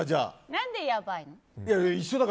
何でやばいの？